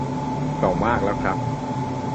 เก่ามากแล้วครับ